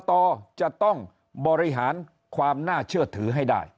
ต่อจะต้องบริหารความน่าเชื่อถือให้ได้